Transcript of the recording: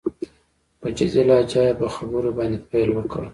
په جدي لهجه يې په خبرو باندې پيل وکړ.